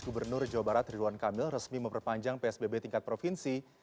gubernur jawa barat ridwan kamil resmi memperpanjang psbb tingkat provinsi